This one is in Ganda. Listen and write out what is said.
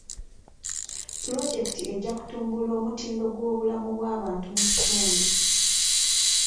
Pulojekiti ejja kutumbula omutindo gw'obulamu bw'abantu mu kitundu.